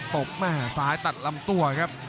ตบมาหาซ้ายตัดลำตัว